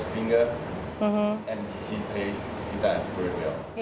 dan dia melakukan gitar dengan sangat baik